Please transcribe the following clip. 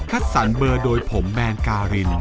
สรรเบอร์โดยผมแบนการิน